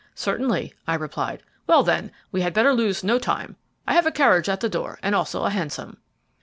"Certainly," I replied. "Well, then, we had better lose no time. I have a carriage at the door, and also a hansom."